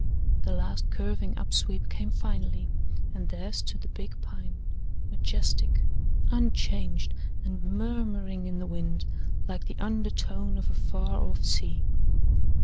The last curving up sweep came finally, and there stood the big Pine, majestic, unchanged and murmuring in the wind like the undertone of a far off sea.